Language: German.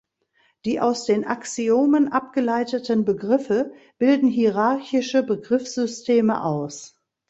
Die aus den Axiomen abgeleiteten Begriffe bilden hierarchische Begriffssysteme aus.